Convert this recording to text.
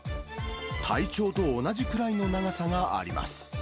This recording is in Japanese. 体長と同じくらいの長さがあります。